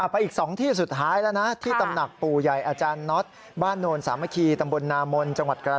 ไปอีก๒ที่สุดท้ายแล้วนะที่ตำหนักปู่ใหญ่อาจารย์น็อตบ้านโนนสามัคคีตำบลนามนจังหวัดกระ